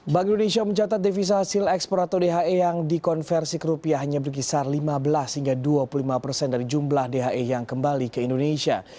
bank indonesia mencatat devisa hasil ekspor atau dhe yang dikonversi ke rupiah hanya berkisar lima belas hingga dua puluh lima persen dari jumlah dhe yang kembali ke indonesia